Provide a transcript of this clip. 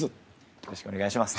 よろしくお願いします。